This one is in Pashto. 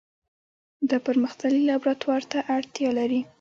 دا پرمختللي لابراتوار ته اړتیا لري.